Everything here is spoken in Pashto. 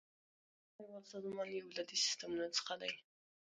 د سوداګرۍ نړیوال سازمان یو له دې سیستمونو څخه دی